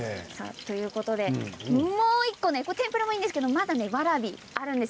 もう１個天ぷらもいいんですけどまだ、わらびがあるんです。